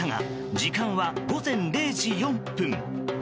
時間は午前０時４分。